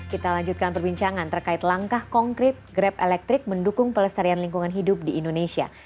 kita lanjutkan perbincangan terkait langkah konkret grab elektrik mendukung pelestarian lingkungan hidup di indonesia